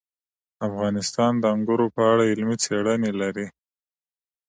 افغانستان د انګور په اړه علمي څېړنې لري.